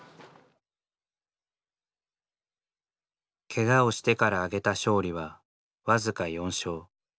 ケガをしてから挙げた勝利は僅か４勝。